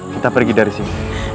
kita pergi dari sini